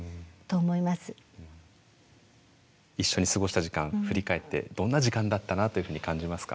一緒に過ごした時間振り返ってどんな時間だったなというふうに感じますか？